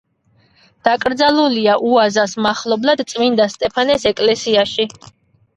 დაკრძალულია უაზას მახლობლად, წმინდა სტეფანეს ეკლესიაში.